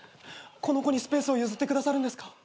この子にスペースを譲ってくださるんですか？